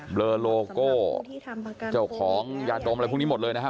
เลอโลโก้เจ้าของยาดมอะไรพวกนี้หมดเลยนะครับ